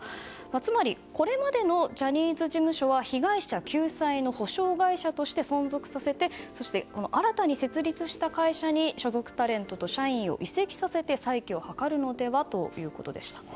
つまりこれまでのジャニーズ事務所は被害者救済の補償会社として存続させてそして、新たに設立した会社に所属タレントと社員を移籍させて再起を図るのではということでした。